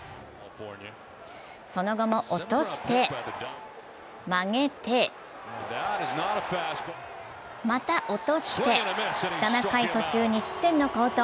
その後も落として曲げてまた落として、７回途中２失点の好投